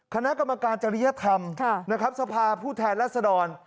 คณะกรรมการเจริยธรรมสภาพูดแทนรัศดร